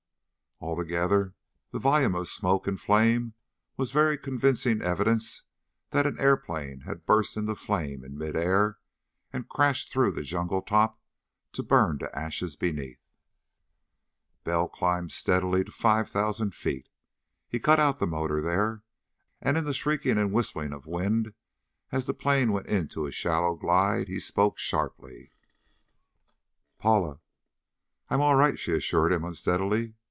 Altogether, the volume of smoke and flame was very convincing evidence that an airplane had burst into flame in mid air and crashed through the jungle top to burn to ashes beneath. But Bell climbed steadily to five thousand feet. He cut out the motor, there, and in the shrieking and whistling of wind as the plane went into a shallow glide, he spoke sharply. "Paula?" "I am all right," she assured him unsteadily.